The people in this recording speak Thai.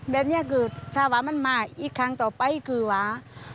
แบบนี้คือถ้าว่ามันมาอีกครั้งต่อไปคือว่า